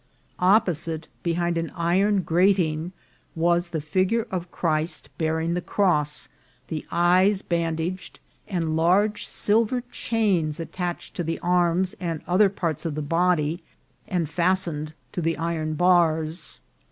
Opposite, behind an iron grating, was the figure of Christ bearing the cross, the eyes bandaged, and large silver chains attached to the arms and other parts of the body, and fastened to the iron bars.